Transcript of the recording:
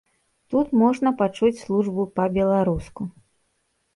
Тут можна пачуць службу па-беларуску.